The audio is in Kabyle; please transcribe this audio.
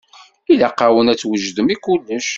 Ilaq-awen ad twejdem i kullec.